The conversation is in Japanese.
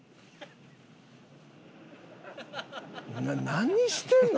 何してんの？